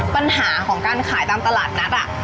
ปัญหาของการขายตามตลาดนัด